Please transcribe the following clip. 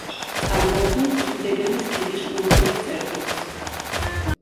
წარმოადგენს კიდეგანის ქედის უმაღლეს წერტილს.